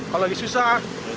kalau lagi susah